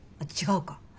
違うか。